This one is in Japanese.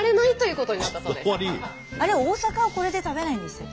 大阪はこれで食べないんでしたっけ？